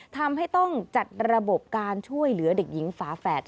ทำให้ต้องจัดระบบการช่วยเหลือเด็กหญิงฝาแฝด